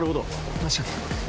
確かに。